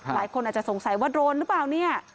หลายคนอาจจะสงสัยว่าโดนหรือเปล่าเนี่ย